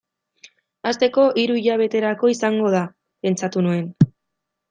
Hasteko, hiru hilabeterako izango da, pentsatu nuen.